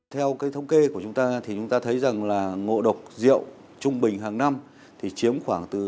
theo cái thống kê của chúng ta thì chúng ta thấy rằng là ngộ độc rượu trung bình hàng năm thì chiếm khoảng từ ba năm đến sáu bảy